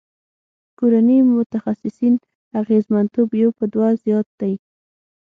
کورني متخصصین اغیزمنتوب یو په دوه زیات دی.